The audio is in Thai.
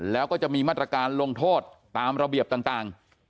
แล้วก็จะมีมาตรการลงโทษตามระเบียบต่าง